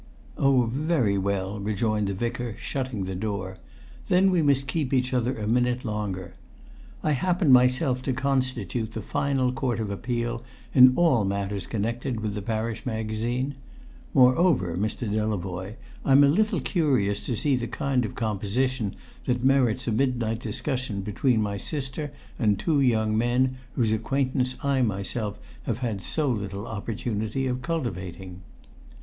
"Oh, very well," rejoined the Vicar, shutting the door. "Then we must keep each other a minute longer. I happen myself to constitute the final court of appeal in all matters connected with the Parish Magazine. Moreover, Mr. Delavoye, I'm a little curious to see the kind of composition that merits a midnight discussion between my sister and two young men whose acquaintance I myself have had so little opportunity of cultivating."